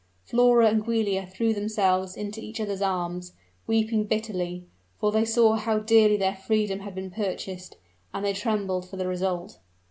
Flora and Giulia threw themselves into each other's arms, weeping bitterly; for they saw how dearly their freedom had been purchased, and they trembled for the result.